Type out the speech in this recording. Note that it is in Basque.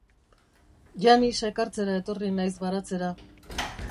Janis ekartzera etorri naiz baratzera.